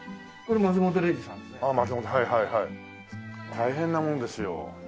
大変なものですよ。